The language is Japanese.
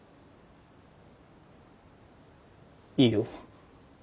いいよ。